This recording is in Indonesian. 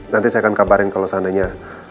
nanti saya akan kabarin kalau seandainya